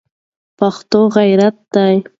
پښتو غیرت دی